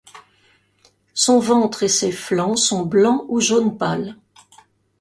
Son ventre et ses flancs sont blancs ou jaune pâle.